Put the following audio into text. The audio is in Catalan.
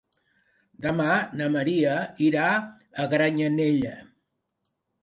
Demà na Maria irà a Granyanella.